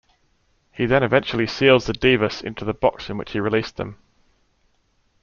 He then eventually seals the Daevas into the box from which he released them.